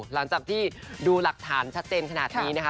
หลังจากที่ดูหลักฐานชัดเจนขนาดนี้นะคะ